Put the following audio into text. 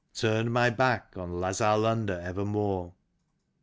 Turned my back on lazar London evermore.